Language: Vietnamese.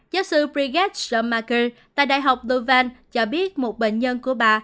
giáo sư brigitte schoenmaker tại đại học duval cho biết một bệnh nhân của bà